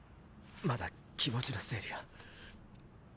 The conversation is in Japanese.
まだ気持ちの整理が。